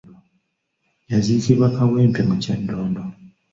Yaziikibwa Kawempe mu Kyaddondo.